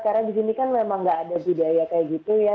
karena di sini kan memang nggak ada budaya kayak gitu ya